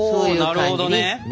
おなるほどね。